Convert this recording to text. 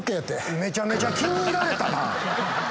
めちゃめちゃ気に入られたな。